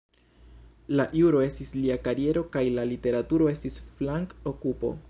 La juro estis lia kariero, kaj la literaturo estis flank-okupo.